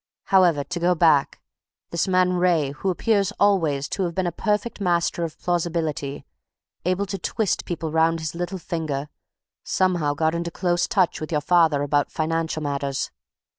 However, to go back this man Wraye, who appears always to have been a perfect master of plausibility, able to twist people round his little finger, somehow got into close touch with your father about financial matters.